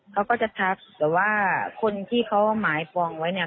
เขาก็จะทักแต่ว่าคนที่เขาหมายปองไว้เนี่ย